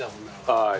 はい。